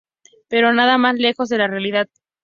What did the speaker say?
Pero nada más lejos de la realidad.